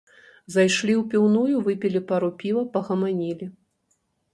Зайшлі ў піўную, выпілі пару піва, пагаманілі.